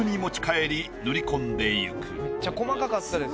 めっちゃ細かかったです。